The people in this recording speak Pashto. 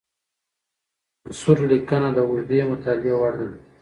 منثور لیکنه د اوږدې مطالعې وړ ده.